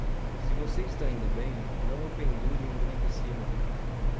Se você está indo bem, não o pendure em um grande sino.